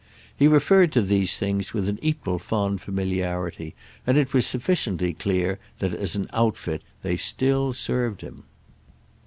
He referred to these things with an equal fond familiarity, and it was sufficiently clear that, as an outfit, they still served him.